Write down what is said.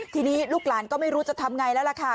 ทีนี้ลูกหลานก็ไม่รู้จะทำไงแล้วล่ะค่ะ